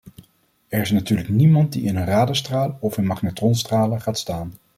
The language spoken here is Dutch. Er is natuurlijk niemand die in een radarstraal of in magnetronstralen gaat staan.